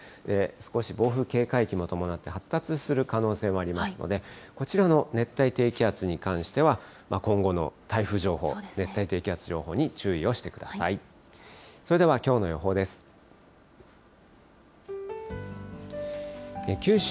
少し暴風警戒域も伴って、発達する可能性もありますので、こちらの熱帯低気圧に関しては今後の台風情報、熱帯低気圧情報に注意をしてください。